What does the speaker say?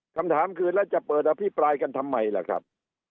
คำถามคือแล้วจะเปิดอภิปรายกันทำไมล่ะครับ